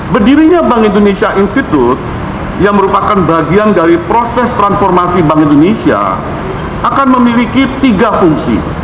berdirinya bank indonesia institute yang merupakan bagian dari proses transformasi bank indonesia akan memiliki tiga fungsi